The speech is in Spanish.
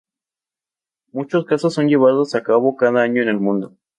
Muchos casos son llevados a cabo cada año en el mundo.